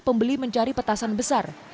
pembeli mencari petasan besar